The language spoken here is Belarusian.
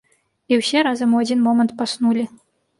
І ўсе разам у адзін момант паснулі.